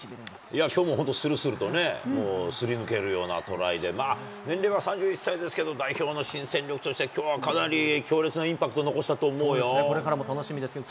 いや、きょうもするするとね、すり抜けるようなトライで、年齢は３１歳ですけれども、代表の新戦力として、きょうはかなり強烈なインパクト残したと思これからも楽しみですけど。